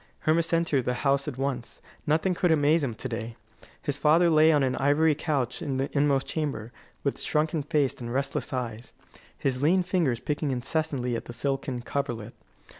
Hermas entered the house at once; nothing could amaze him to day. His father lay on an ivory couch in the inmost chamber, with shrunken face and restless eyes, his lean fingers picking incessantly at the silken coverlet.